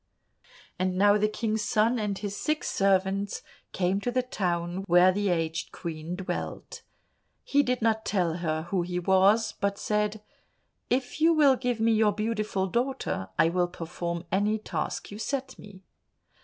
And now the King's son and his six servants came to the town where the aged Queen dwelt. He did not tell her who he was, but said, "If you will give me your beautiful daughter, I will perform any task you set me."